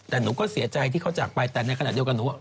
แต่หนูก็เสียใจที่เขาจากไปแต่ในขณะเดียวกันหนูว่า